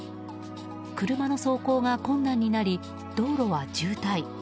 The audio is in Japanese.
車の走行が困難になり道路は渋滞。